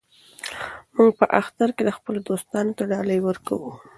موږ په اختر کې خپلو دوستانو ته ډالۍ ورکوو.